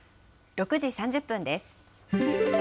６時３０分です。